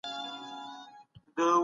خلکو ته يو څه ور زده کړئ.